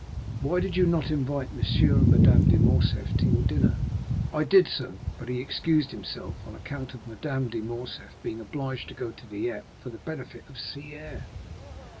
"Why did you not invite M. and Madame de Morcerf to your dinner?" "I did so, but he excused himself on account of Madame de Morcerf being obliged to go to Dieppe for the benefit of sea air."